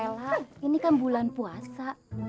ya elah elah ini kan bulan puasa